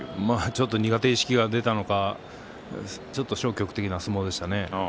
苦手意識が出たのかちょっと消極的な相撲でしたね。